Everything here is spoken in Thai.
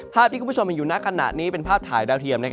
ภาพที่คุณผู้ชมเห็นอยู่ในขณะนี้เป็นภาพถ่ายดาวเทียม